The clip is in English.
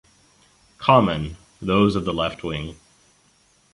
Common, those of the left wing.